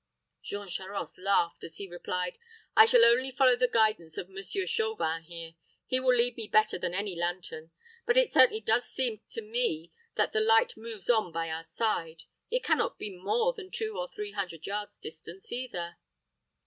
Jean Charost laughed, as he replied, "I shall only follow the guidance of Monsieur Chauvin here. He will lead me better than any lantern. But it certainly does seem to me that the light moves on by our side. It can not be more than two or three hundred yards distance either."